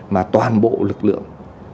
mà toàn bộ lực lượng